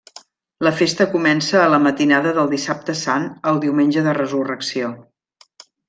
La festa comença a la matinada del Dissabte Sant al Diumenge de Resurrecció.